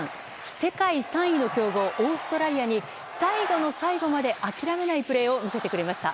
世界３位の強豪オーストラリアに最後の最後まで諦めないプレーを見せてくれました。